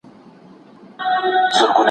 هغه په خورا ادب سره د خپل مشر پوښتنه وکړه.